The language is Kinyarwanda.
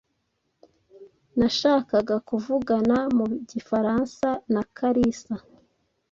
Nashakaga kuvugana mu gifaransa na Kalisa.